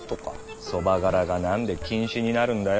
そばがらがなんで禁止になるんだよ。